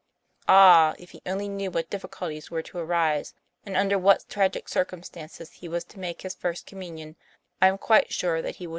Ah ! if he only knew what difficulties were to arise, and under what tragic circumstances he was to make his First Communion, I am quite sure that he woulc?